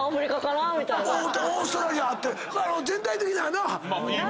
オーストラリアあって全体的にはな。